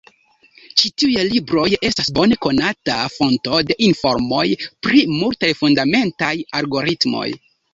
Ĉi tiuj libroj estas bone konata fonto de informoj pri multaj fundamentaj algoritmoj.